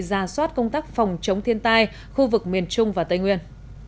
ra soát công tác phòng chống thiên tai khu vực miền trung và tây nguyên